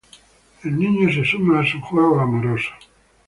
El niño se suma a sus juegos amorosos.